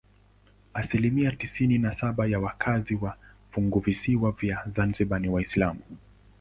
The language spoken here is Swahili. Asilimia tisini na saba ya wakazi wa funguvisiwa vya Zanzibar ni Waislamu.